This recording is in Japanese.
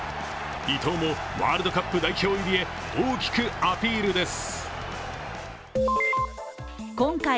伊東もワールドカップ代表入りへ大きくアピールです。